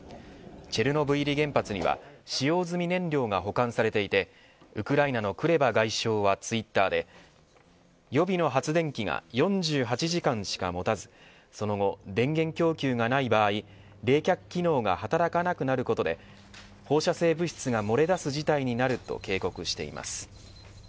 チェルノブイリ原発には使用済み燃料が保管されていてウクライナのクレバ外相はツイッターで予備の発電機が４８時間しか持たずその後、電源供給がない場合冷却機能が働かなくなることで放射性物質が漏れ出す事態になると警告しています。